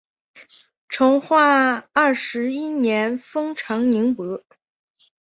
成化二十一年封长宁伯。